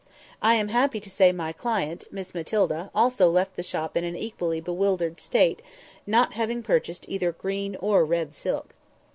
I am happy to say my client, Miss Matilda, also left the shop in an equally bewildered state, not having purchased either green or red silk.